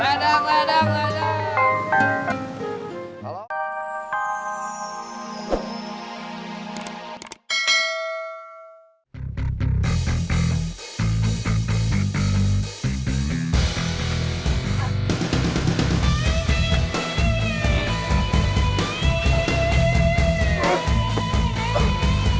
ledang ledang ledang